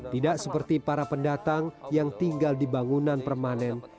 tidak seperti para pendatang yang tinggal di bangunan permanen